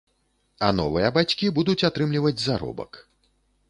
А новыя бацькі будуць атрымліваць заробак.